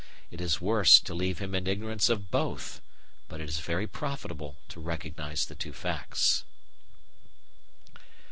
It is worse to leave him in ignorance of both. But it is very profitable to recognise the two facts.